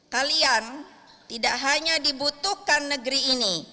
kalian tidak hanya dibutuhkan negeri ini